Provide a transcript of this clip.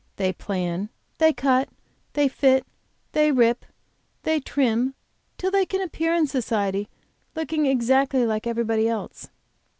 They plan, they cut, they fit, they rip, they trim till they can appear in society looking exactly like everybody else.